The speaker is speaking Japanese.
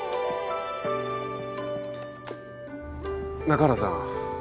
中原さん。